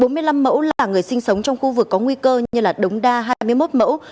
bốn mươi năm mẫu là người sinh sống trong khu vực có nguy cơ như đống đa hai mươi một mẫu